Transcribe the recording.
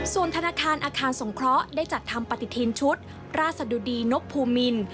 ส่วนธนาคารอาคารสงเคราะห์ได้จัดทำปฏิทินชุดราชดุดีนกภูมิน